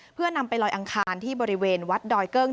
เพื่อนำไปลอยอังคารที่บริเวณวัดดอยเกิ้ง